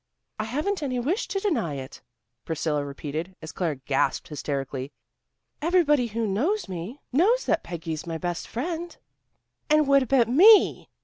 "I haven't any wish to deny it," Priscilla repeated, as Claire gasped hysterically. "Everybody who knows me knows that Peggy's my best friend." "And what about me?"